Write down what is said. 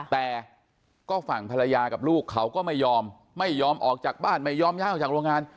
แต่ก็ฝั่งภรรยากับลูกเขาก็ไม่ยอมไม่ยอมออกจากบ้านไม่ยอมย้ายออกจากโรงงาน